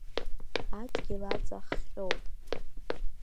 Адгьыл аҵа хҟьоуп.